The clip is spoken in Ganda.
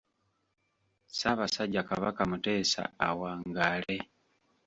Ssaabasajja Kabaka Mutesa awangaale.